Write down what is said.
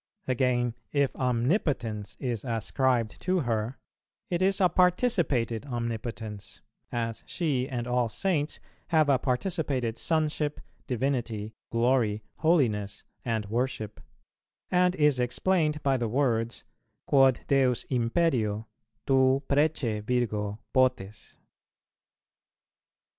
Again, if omnipotence is ascribed to her, it is a participated omnipotence (as she and all Saints have a participated sonship, divinity, glory, holiness, and worship), and is explained by the words, "Quod Deus imperio, tu prece, Virgo, potes."